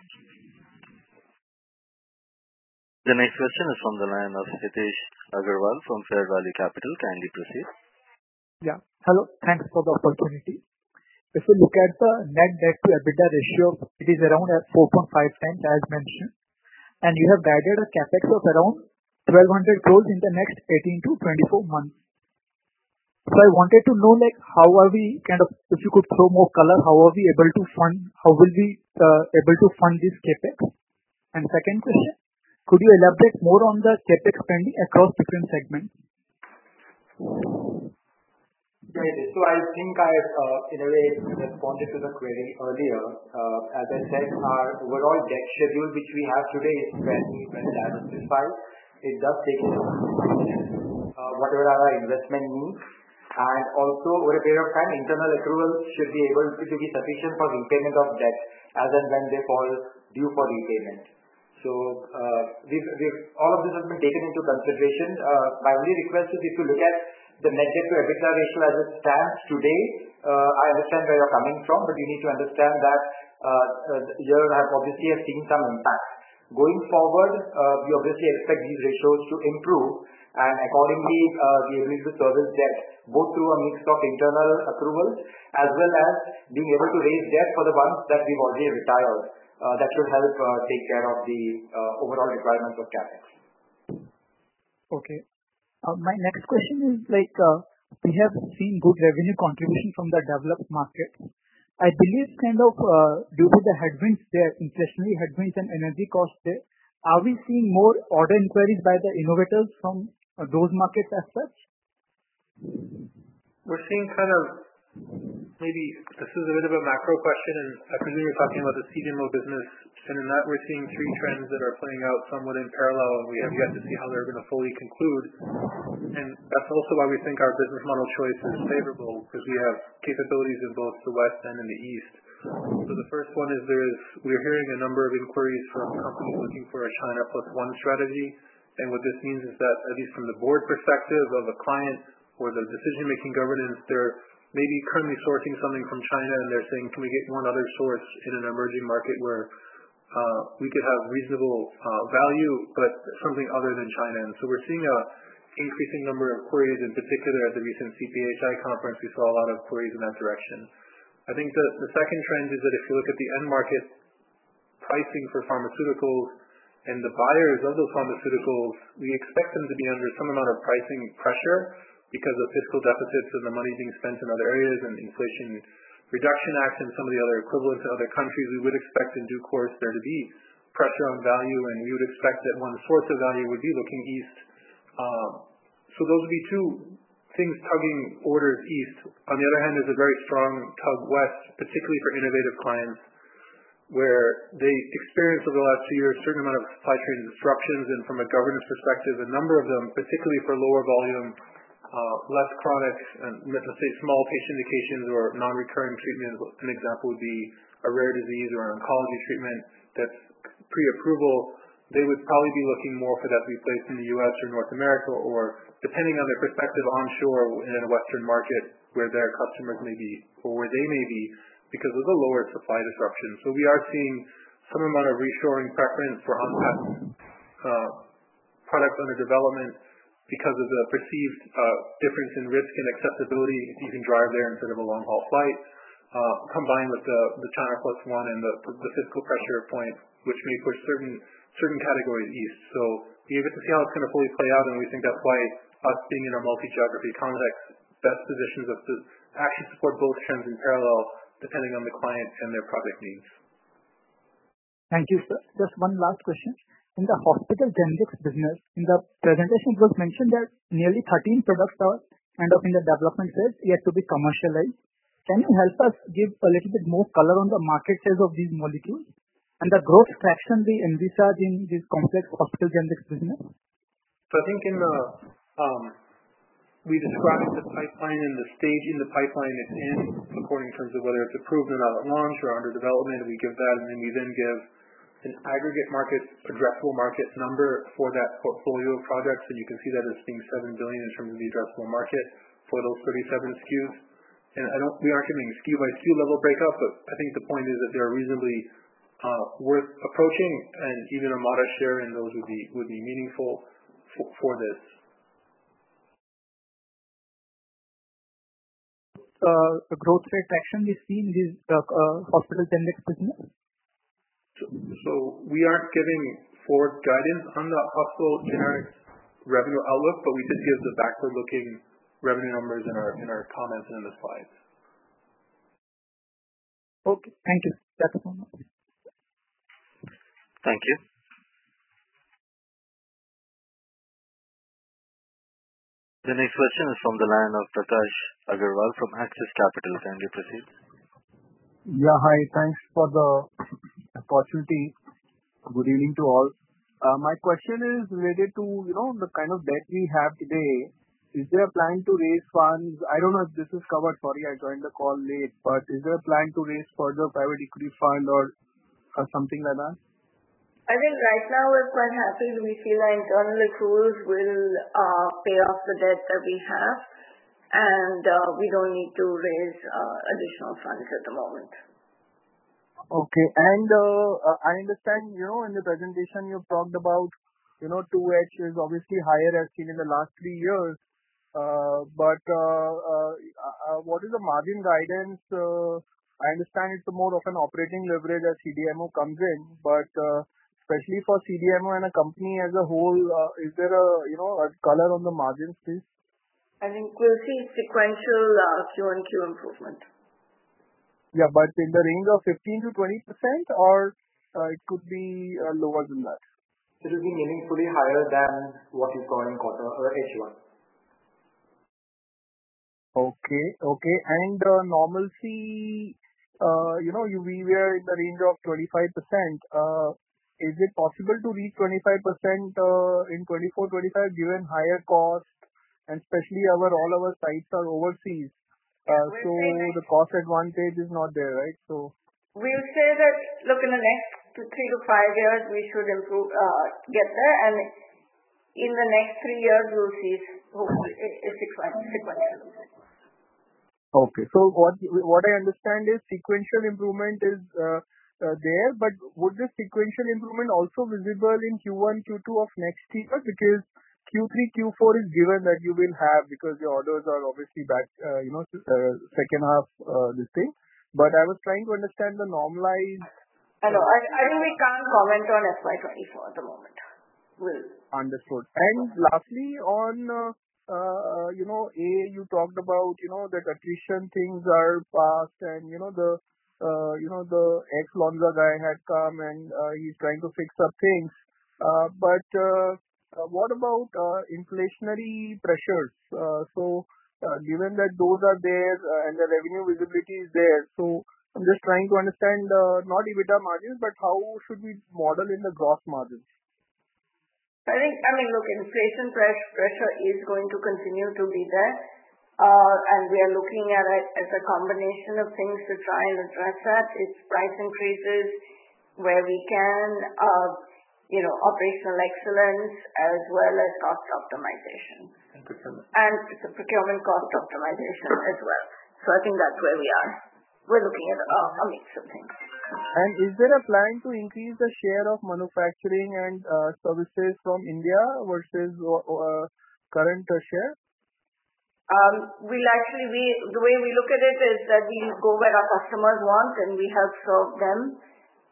The next question is from the line of Hitesh Agarwal from Fairvalue Capital. Kindly proceed. Yeah. Hello. Thanks for the opportunity. If you look at the net debt to EBITDA ratio, it is around at 4.5 times, as mentioned, and you have guided a CapEx of around 1,200 crores in the next 18 to 24 months. I wanted to know if you could throw more color, how are we able to fund this CapEx? Second question, could you elaborate more on the CapEx spending across different segments? Great. I think I, in a way, responded to the query earlier. As I said, our overall debt schedule, which we have today, is healthy and as described, it does take into consideration whatever our investment needs. Also, over a period of time, internal accruals should be able to be sufficient for repayment of debt as and when they fall due for repayment. All of this has been taken into consideration. My only request is if you look at the net debt to EBITDA ratio as it stands today, I understand where you're coming from, but you need to understand that the year obviously has seen some impact. Going forward, we obviously expect these ratios to improve and accordingly, be able to service debt both through a mix of internal accruals as well as being able to raise debt for the ones that we've already retired. That should help take care of the overall requirements of CapEx. Okay. My next question is, we have seen good revenue contribution from the developed market. I believe it's kind of due to the headwinds there, inflationary headwinds and energy costs there. Are we seeing more order inquiries by the innovators from those markets as such? We're seeing, maybe this is a bit of a macro question, and I presume you're talking about the CDMO business. In that, we're seeing three trends that are playing out somewhat in parallel, and we have yet to see how they're going to fully conclude. That's also why we think our business model choice is favorable, because we have capabilities in both the West and in the East. The first one is we're hearing a number of inquiries from companies looking for a China plus one strategy. What this means is that at least from the board perspective of a client or the decision-making governance, they're maybe currently sourcing something from China and they're saying, "Can we get one other source in an emerging market where we could have reasonable value, but something other than China?" We're seeing an increasing number of queries. In particular at the recent CPhI conference, we saw a lot of queries in that direction. I think the second trend is that if you look at the end market pricing for pharmaceuticals and the buyers of those pharmaceuticals, we expect them to be under some amount of pricing pressure because of fiscal deficits and the money being spent in other areas and the Inflation Reduction Act and some of the other equivalents in other countries. We would expect in due course there to be pressure on value, and we would expect that one source of value would be looking East. Those would be two things tugging orders east. On the other hand, there's a very strong tug west, particularly for innovative clients, where they experienced over the last two years a certain amount of supply chain disruptions. From a governance perspective, a number of them, particularly for lower volume, less chronic, let's just say small patient indications or non-recurring treatment, an example would be a rare disease or an oncology treatment that's pre-approval. They would probably be looking more for that to be placed in the U.S. or North America or depending on their perspective, onshore in a Western market where their customers may be or where they may be because of the lower supply disruption. We are seeing some amount of reshoring preference for on-hand products under development because of the perceived difference in risk and acceptability, you can drive there instead of a long-haul flight, combined with the China plus one and the fiscal pressure point, which may push certain categories east. We have yet to see how it's going to fully play out, and we think that's why us being in a multi-geography context best positions us to actually support both trends in parallel, depending on the client and their product needs. Thank you, sir. Just one last question. In the hospital generics business, in the presentation, it was mentioned that nearly 13 products are in the development phase, yet to be commercialized. Can you help us give a little bit more color on the market size of these molecules and the growth traction we envisage in this complex hospital generics business? I think we described the pipeline and the stage in the pipeline it's in, according in terms of whether it's approved or not, at launch or under development. We give that, and then we then give an aggregate market, addressable market number for that portfolio of projects, and you can see that as being $7 billion in terms of the addressable market for those 37 SKUs. we aren't giving SKU by SKU level breakup, but I think the point is that they are reasonably worth approaching and even a modest share in those would be meaningful for this. The growth rate traction we see in this hospital generics business. we aren't giving forward guidance on the hospital generics revenue outlook, but we did give the backward-looking revenue numbers in our comments and in the slides. Okay. Thank you. That's all. Thank you. The next question is from the line of Pranjal Agrawal from Axis Capital. Kindly proceed. Yeah. Hi. Thanks for the opportunity. Good evening to all. My question is related to the kind of debt we have today. Is there a plan to raise funds? I don't know if this is covered. Sorry, I joined the call late, but is there a plan to raise further private equity fund or something like that? I think right now we're quite happy. We feel our internal accruals will pay off the debt that we have, and we don't need to raise additional funds at the moment. Okay. I understand, in the presentation you talked about 2H is obviously higher as seen in the last three years. What is the margin guidance? I understand it's more of an operating leverage as CDMO comes in. especially for CDMO and a company as a whole, is there a color on the margins, please? I think we'll see sequential Q on Q improvement. Yeah, but in the range of 15%-20% or it could be lower than that? It will be meaningfully higher than what you saw in quarter H1. Okay. normalcy, we were in the range of 25%. Is it possible to reach 25% in 2024, 2025 given higher costs and especially all our sites are overseas- We'll say that- the cost advantage is not there, right? We'll say that, look, in the next three to five years, we should get there, and in the next three years, we'll see a sequential improvement. Okay. what I understand is sequential improvement is there, but would this sequential improvement also visible in Q1, Q2 of next year? Because Q3, Q4 is given that you will have because your orders are obviously back, second half this thing. I was trying to understand the normalized- I think we can't comment on FY 2024 at the moment. Understood. lastly on, A, you talked about the attrition things are past and the ex-Lonza guy had come and he's trying to fix up things. what about inflationary pressures? given that those are there and the revenue visibility is there, I'm just trying to understand not EBITDA margin, but how should we model in the gross margins? I think, look, inflation pressure is going to continue to be there. we are looking at it as a combination of things to try and address that. It's price increases where we can, operational excellence, as well as cost optimization. procurement. procurement cost optimization as well. I think that's where we are. We're looking at a mix of things. is there a plan to increase the share of manufacturing and services from India versus current share? The way we look at it is that we go where our customers want, and we help serve them,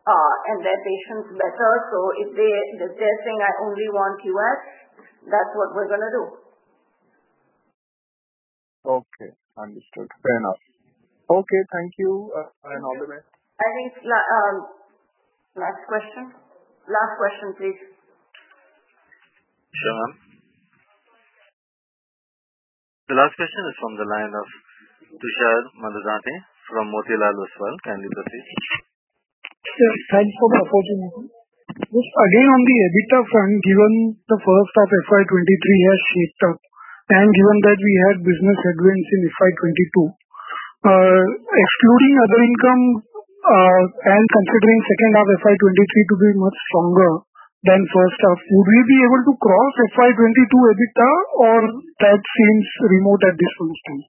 and their patients better. if they're saying, "I only want U.S.," that's what we're going to do. Okay, understood. Fair enough. Okay, thank you. All the best. I think, last question. Last question, please. Sure, ma'am. The last question is from the line of Tushar Manudhane from Motilal Oswal. Kindly proceed. Sure. Thanks for the opportunity. Look, again on the EBITDA front, given the first half FY 2023 has shaped up and given that we had business headwinds in FY 2022. Excluding other income, and considering second half FY 2023 to be much stronger than first half, would we be able to cross FY 2022 EBITDA or that seems remote at this point in time?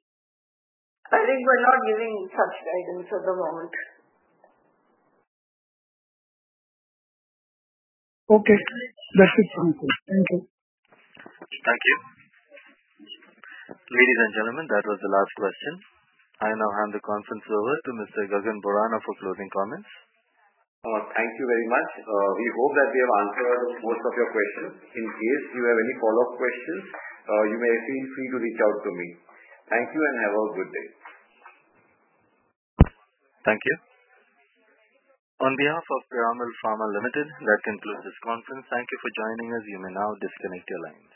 I think we're not giving such guidance at the moment. Okay. That's it from me. Thank you. Thank you. Ladies and gentlemen, that was the last question. I now hand the conference over to Mr. Gagan Borana for closing comments. Thank you very much. We hope that we have answered most of your questions. In case you have any follow-up questions, you may feel free to reach out to me. Thank you and have a good day. Thank you. On behalf of Piramal Pharma Limited, that concludes this conference. Thank you for joining us. You may now disconnect your lines.